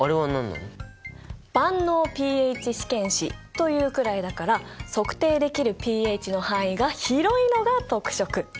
万能ｐＨ試験紙というくらいだから測定できるｐＨの範囲が広いのが特色！